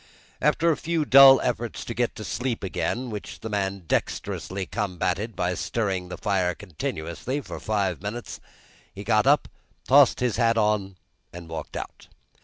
After a few dull efforts to get to sleep again, which the man dexterously combated by stirring the fire continuously for five minutes, he got up, tossed his hat on, and walked out.